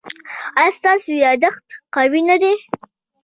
ایا ستاسو یادښت قوي نه دی؟